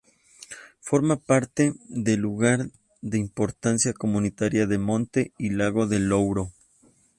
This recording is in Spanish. Forma parte del Lugar de Importancia Comunitaria del Monte y Lago de Louro.